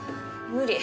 無理。